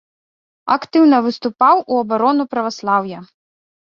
Актыўна выступаў у абарону праваслаўя.